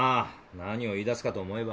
何を言い出すかと思えば。